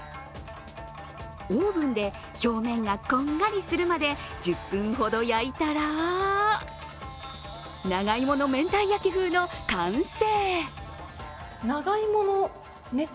オーブンで表面がこんがりするまで１０分ほど焼いたら、長芋のめんたい焼き風の完成。